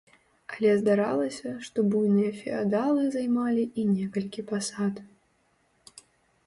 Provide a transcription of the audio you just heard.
Але здаралася, што буйныя феадалы займалі і некалькі пасад.